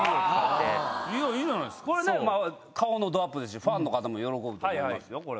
これ顔のどアップですしファンの方も喜ぶと思いますよ。